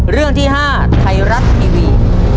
เรื่องที่๕ไทยรัฐทีวี